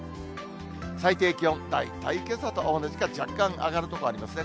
最低気温、大体けさと同じか若干上がる所がありますね。